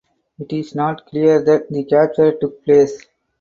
It is not clear that the capture took place.